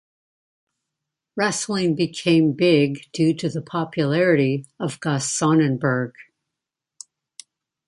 Wrestling became big due to the popularity of Gus Sonnenberg.